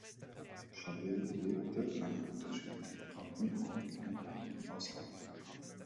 Shelley lebte an unterschiedlichen Orten in England und im Ausland.